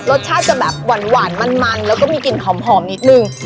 รสชาติจะแบบหวานมันแล้วก็มีกลิ่นหอมนิดนึง